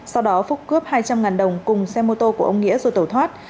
sau đó phúc cướp hai trăm linh đồng cùng xe mô tô của ông nghĩa rồi tẩu thoát